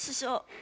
あ！